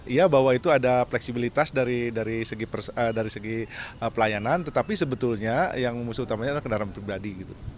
iya bahwa itu ada fleksibilitas dari segi pelayanan tetapi sebetulnya yang musuh utamanya adalah kendaraan pribadi